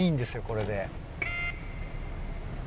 これで。